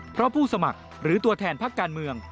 เพราะผู้สมัครหรือตัวแทนพักการเมือง